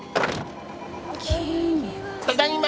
ただいま！